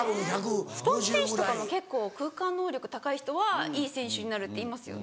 スポーツ選手とかも結構空間能力高い人はいい選手になるっていいますよね。